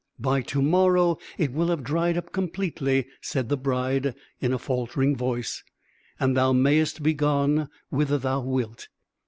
"By to morrow it will have dried up completely," said the bride, in a faltering voice, "and thou mayest begone whither thou wilt."